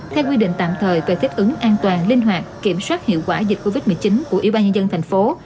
theo quy định tạm thời về thiết ứng an toàn linh hoạt kiểm soát hiệu quả dịch covid một mươi chín của ybnd thành phố